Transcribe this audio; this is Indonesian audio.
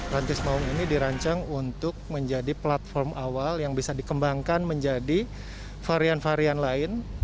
rantis maung ini dirancang untuk menjadi platform awal yang bisa dikembangkan menjadi varian varian lain